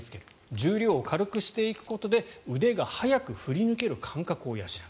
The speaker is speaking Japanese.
重量を軽くすることで腕が速く振り抜ける感覚を養う。